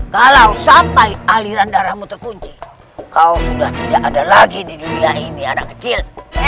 kalau sampai aliran darahmu terkunci kau sudah tidak ada lagi di dunia ini anak kecil